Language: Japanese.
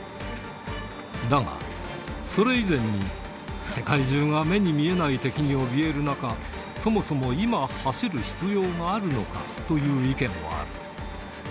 だが、それ以前に世界中が目に見えない敵におびえる中、そもそも今走る必要があるのかという意見もある。